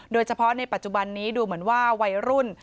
โดยเฉพาะในปัจจุบันนี้ดูเหมือนว่าวัยรุ่น